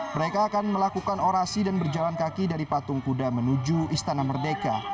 mereka akan melakukan orasi dan berjalan kaki dari patung kuda menuju istana merdeka